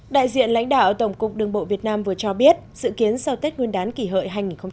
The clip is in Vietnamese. đại diện lãnh đạo tổng cục đường bộ việt nam vừa cho biết dự kiến sau tết nguyên đán kỷ hợi hai nghìn một mươi chín